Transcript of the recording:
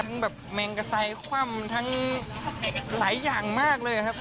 แบบแมงกระไซคว่ำทั้งหลายอย่างมากเลยครับ